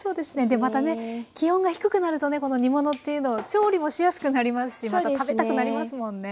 でまたね気温が低くなるとねこの煮物っていうのを調理もしやすくなりますしまた食べたくなりますもんね。